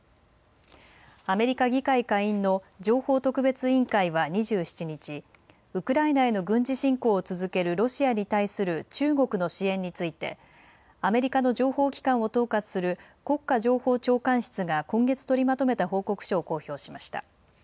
アメリカ議会下院の情報特別委員会は２７日、ウクライナへの軍事侵攻を続けるロシアに対する中国の支援についてアメリカの情報機関を統括する国家情報長官室が今月取りまとめた報告書を公表しました。